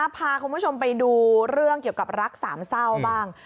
พาคุณผู้ชมไปดูเรื่องเกี่ยวกับรักสามเศร้าบ้าง